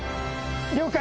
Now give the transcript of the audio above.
了解！